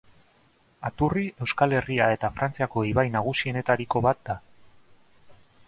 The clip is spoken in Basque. Aturri Euskal Herria eta Frantziako ibai nagusienetariko bat da.